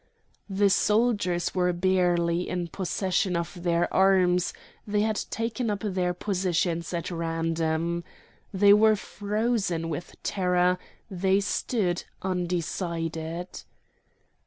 The soldiers were barely in possession of their arms; they had taken up their positions at random. They were frozen with terror; they stood undecided.